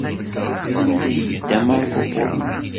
Sanda ay yedda Marco Polo?